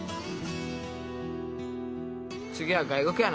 次は外国やな。